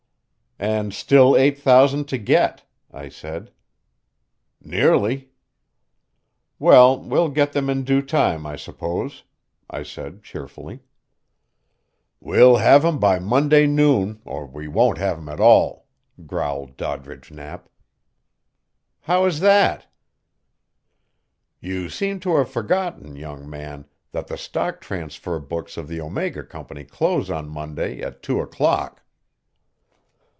"And still eight thousand to get," I said. "Nearly." "Well, we'll get them in due time, I suppose," I said cheerfully. "We'll have 'em by Monday noon, or we won't have 'em at all," growled Doddridge Knapp. "How is that?" "You seem to have forgotten, young man, that the stock transfer books of the Omega Company close on Monday at two o'clock."